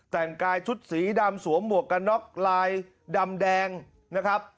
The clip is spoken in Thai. แต่งกายชุดสีดำสวมหมวกกันน็อกลายดำแดงนะครับ